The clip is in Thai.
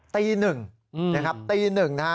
ตีหนึ่ง